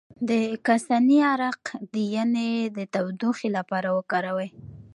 د کاسني عرق د ینې د تودوخې لپاره وکاروئ